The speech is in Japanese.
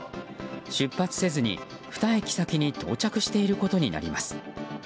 出発せずに２駅先に到着していることになります。